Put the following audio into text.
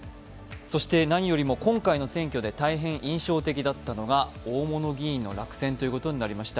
何よりも今回の選挙で大変印象的だったのが、大物議員の落選になりました。